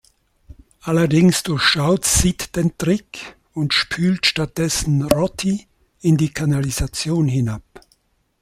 Allerdings durchschaut Sid den Trick und spült stattdessen Roddy in die Kanalisation hinab.